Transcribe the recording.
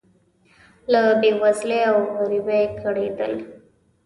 له بې وزلۍ او غریبۍ کړېدل.